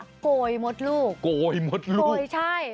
กโกยมดลูกคโกยมดลูกยังมีใช่